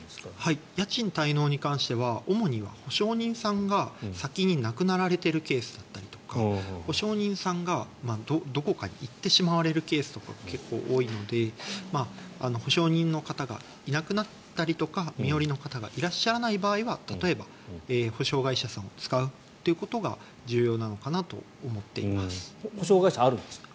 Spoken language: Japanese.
家賃滞納に関しては主に保証人さんが先に亡くなられているケースだったりとか保証人さんが、どこかに行ってしまわれるケースとかが結構多いので保証人の方がいなくなったり身寄りの方がいらっしゃらない場合は例えば、保証会社さんを使うということが保証会社はあるんですか？